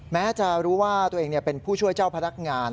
แม้จะรู้ว่าตัวเองเป็นผู้ช่วยเจ้าพนักงาน